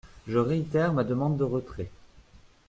Je réitère ma demande de retrait.